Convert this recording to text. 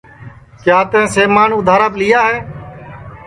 کیا تئیں سمان اُدھاراپ لیا ہے